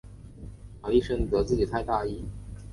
玛丽深责自己太大意。